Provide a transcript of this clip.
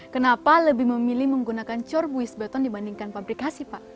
kenapa lebih memilih menggunakan corbuis beton dibandingkan pabrikasi pak